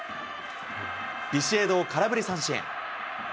ビシエドを空振り三振。